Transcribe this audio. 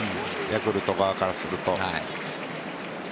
ヤクルト側からすると。